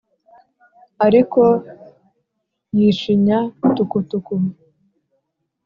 Ariko y'ishinya tukutuku